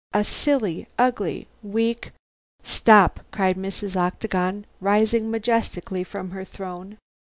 A silly, ugly, weak " "Stop!" cried Mrs. Octagon, rising majestically from her throne.